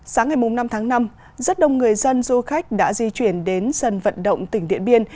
sáng ngày năm tháng năm rất đông người dân du khách đã di chuyển đến sân vận động tỉnh điện biên